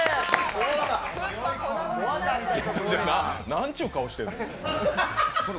なんちゅう顔してんの。